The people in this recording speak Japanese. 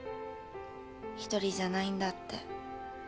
１人じゃないんだって。